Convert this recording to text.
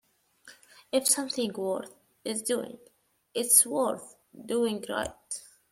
If something worth is doing, it's worth doing right.